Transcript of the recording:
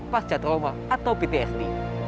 pasca trauma atau ptsd